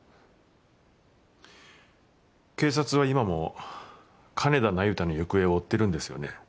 警察は今も金田那由他の行方を追ってるんですよね。